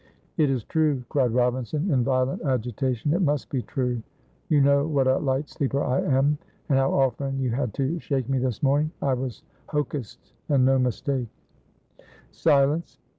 "It is true!" cried Robinson, in violent agitation; "it must be true. You know what a light sleeper I am, and how often you had to shake me this morning. I was hocussed and no mistake!" "Silence!"